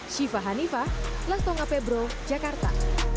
syifa hanifah lastonga pebro jakarta